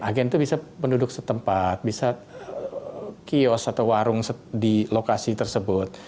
agen itu bisa penduduk setempat bisa kios atau warung di lokasi tersebut